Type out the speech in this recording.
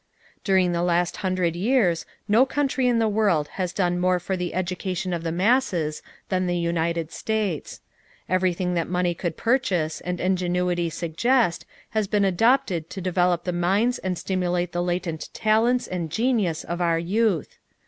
During the last hundred years no country in the world has done more for the education of the masses than the United States. Everything that money could purchase and ingenuity suggest has been adopted to develop the minds and stimulate the latent talents and genius of our youth.